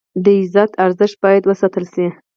د عزت ارزښت باید وساتل شي.